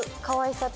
かわいい。